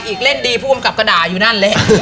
อีกเล่นดีผู้กำกับก็ด่าอยู่นั่นแหละ